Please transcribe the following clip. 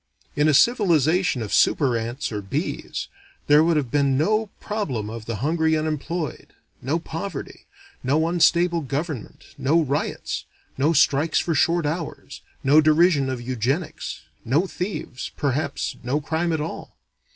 In a civilization of super ants or bees, there would have been no problem of the hungry unemployed, no poverty, no unstable government, no riots, no strikes for short hours, no derision of eugenics, no thieves, perhaps no crime at all.